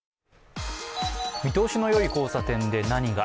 見通しのよい交差点で何が。